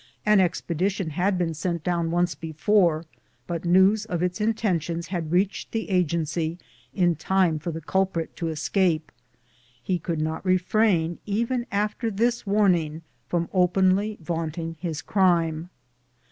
An expedition had been sent down once be fore, but news of its intentions had reached the Agency in time for the culprit to escape. lie could not refrain, even after this warning, from openly vaunting his crime.